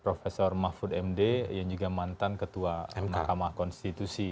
prof jokowi prof ility prof setiausaha mdp yang juga mantan ketua mahkamah konstitusi